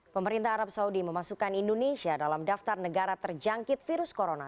pemerintah arab saudi memasukkan indonesia dalam daftar negara terjangkit virus corona